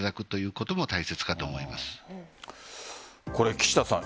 岸田さん